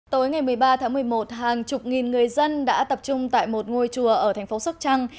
tối ngày một mươi ba tháng một mươi một hàng chục nghìn người dân đã tập trung tại một ngôi chùa ở thành phố sóc trăng